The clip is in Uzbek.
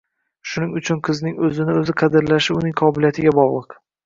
Shuning uchun qizning o'zini o'zi qadrlashi uning qobiliyatiga bog'liq